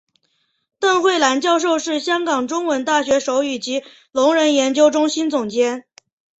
邓慧兰教授是香港中文大学手语及聋人研究中心总监。